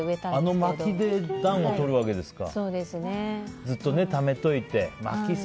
あのまきで暖をとるわけですか。